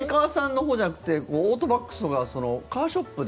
これメーカーさんのほうじゃなくてオートバックスとかのカーショップで？